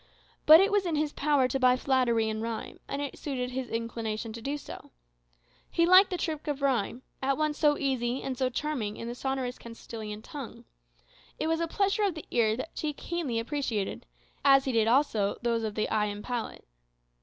But it was in his power to buy flattery in rhyme, and it suited his inclination so to do. He liked the trick of rhyme, at once so easy and so charming in the sonorous Castilian tongue it was a pleasure of the ear which he keenly appreciated, as he did also those of the eye and the palate.